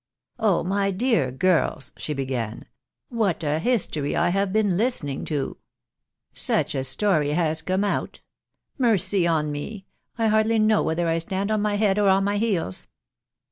" Oh, my dear girls !" she began, " what a history I have been AN OVERPOWERING HISTOKT. 21 listening to ! such a story has come out ! Mercy on me ! I hardly know whether I stand on my head or my heels